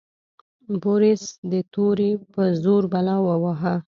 بوریس د تورې په زور بلا وواهه.